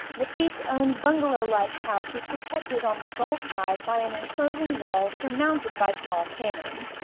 Lafitte's own bungalow like house was protected on the Gulf side by an enclosing wall surmounted by small cannon.